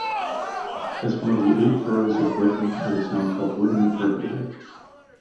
As one of the eight boroughs of Witten, it is now called Witten-Herbede.